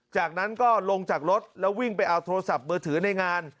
จากนั้นก็ลงจากรถแล้ววิ่งไปเอาโทรศัพท์มือถือในงาน